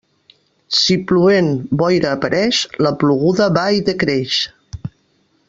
Si plovent, boira apareix, la ploguda va i decreix.